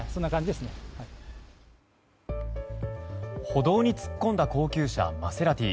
歩道に突っ込んだ高級車マセラティ。